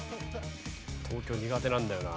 東京苦手なんだよな。